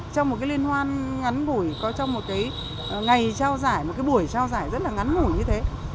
trong một liên hoan ngắn bủi trong một ngày trao giải một buổi trao giải rất ngắn bủi như thế